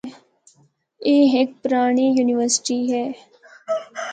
اے ہک پرانڑی یونیورسٹی ہے۔